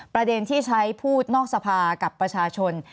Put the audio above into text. ประเด็นที่ใช้พูดนอกสภากับประชาชน